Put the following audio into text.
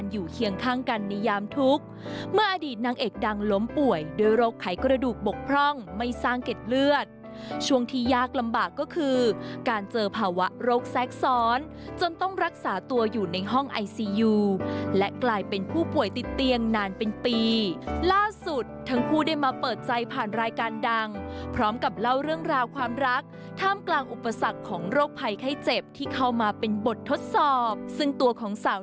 เรื่องราวความรักของคู่นี้ที่หลายคนชื่นชมค่ะ